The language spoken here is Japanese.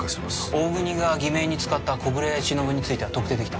大國が偽名に使った小暮しのぶについては特定できた。